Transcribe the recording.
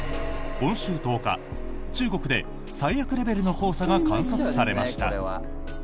今週１０日、中国で最悪レベルの黄砂が観測されました。